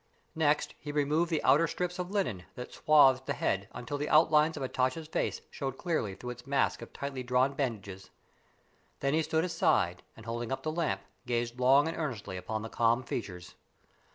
Next he removed the outer strips of linen that swathed the head until the outlines of Hatatcha's face showed clearly through its mask of tightly drawn bandages. Then he stood aside, and holding up the lamp, gazed long and earnestly upon the calm features.